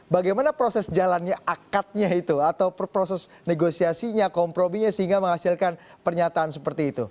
bagaimana proses jalannya akadnya itu atau proses negosiasinya komprominya sehingga menghasilkan pernyataan seperti itu